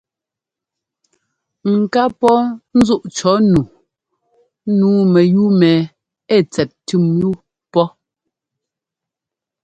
Ŋ ká pɔ́ ńzúꞌ cɔ̌ nu nǔu mɛyúu mɛ ɛ́ tsɛt tʉ́m yú pɔ́.